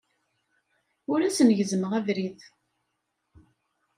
Ur asen-gezzmeɣ abrid.